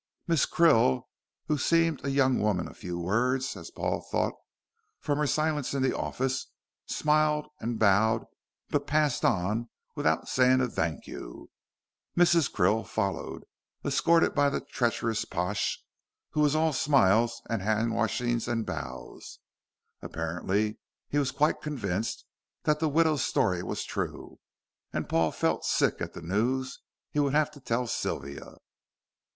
Miss Krill, who seemed a young woman of few words, as Paul thought from her silence in the office, smiled and bowed, but passed on, without saying a "thank you." Mrs. Krill followed, escorted by the treacherous Pash who was all smiles and hand washings and bows. Apparently he was quite convinced that the widow's story was true, and Paul felt sick at the news he would have to tell Sylvia.